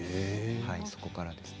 そこからですね。